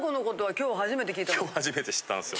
今日初めて知ったんですよ。